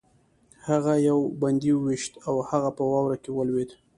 هغه یو بندي وویشت او هغه په واوره کې ولوېد